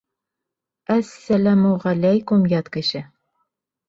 — Әс-сәләмү-ғәләйкүм, ят кеше!